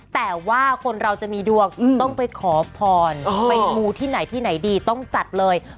แต่ว่าคนเราจะมีดวงต้องไปขอพรไปมูที่ไหนที่ไหนดีต้องจัดเลย